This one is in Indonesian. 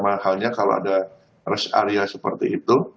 mahalnya kalau ada rest area seperti itu